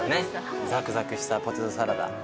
ザクザクしたポテトサラダ。